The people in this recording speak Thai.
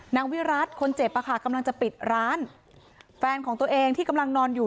วิรัติคนเจ็บอะค่ะกำลังจะปิดร้านแฟนของตัวเองที่กำลังนอนอยู่